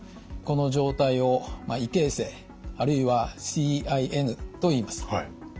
この状態を異形成あるいはＣＩＮといいます。